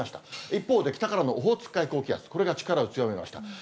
一方で、北からのオホーツク海高気圧、これが力を強めました。